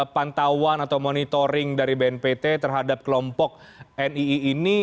pantauan atau monitoring dari bnpt terhadap kelompok nii ini